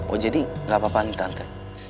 oh jadi gak apa apa nih tante